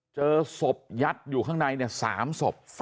เจอศพยัดอยู่ข้างใน๓ศพ